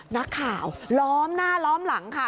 นักข่าวล้อมหน้าล้อมหลังค่ะ